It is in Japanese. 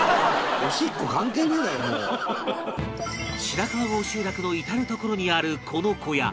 白川郷集落の至る所にあるこの小屋